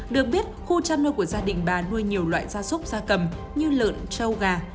được biết khu chăn nuôi của gia đình bà nuôi nhiều loại gia súc gia cầm như lợn châu gà